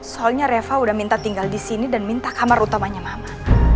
soalnya reva udah minta tinggal di sini dan minta kamar utamanya mama